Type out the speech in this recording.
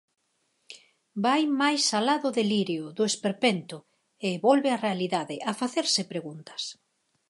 Vai máis alá do delirio, do esperpento, e volve á realidade, a facerse preguntas.